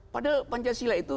padahal pancasila itu